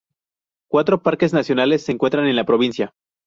Cuatro parques nacionales se encuentran en la provincia.